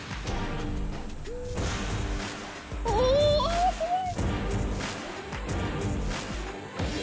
おすごい！